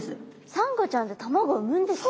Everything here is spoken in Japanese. サンゴちゃんって卵産むんですか？